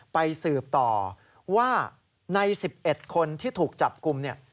ไปสืบต่อว่าใน๑๑คนที่ถูกจับกลุ่มเนี่ย